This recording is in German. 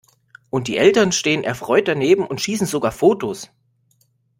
Und die Eltern stehen erfreut daneben und schießen sogar Fotos!